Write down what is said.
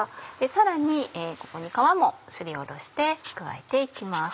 さらにここに皮もすりおろして加えて行きます。